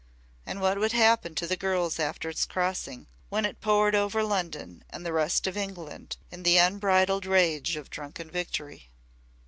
And what would happen to the girls after its crossing, when it poured over London and the rest of England in the unbridled rage of drunken victory."